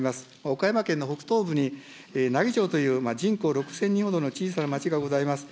岡山県の北東部に奈義町という人口６０００人ほどの小さな町がございます。